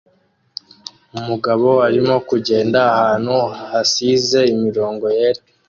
Umugabo arimo kugenda ahantu hasize imirongo yera